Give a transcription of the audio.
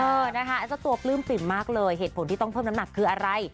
นะคะแล้วเจ้าตัวปลื้มปิ่มมากเลยเหตุผลที่ต้องเพิ่มน้ำหนักคืออะไร